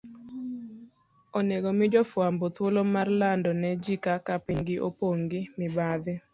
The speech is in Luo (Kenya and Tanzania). onego mi jofwambo thuolo mar lando ne ji kaka pinygi opong ' gi mibadhi.